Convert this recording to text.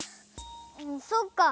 そっか！